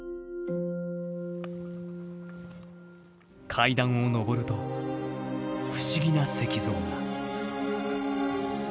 階段を上ると不思議な石像が。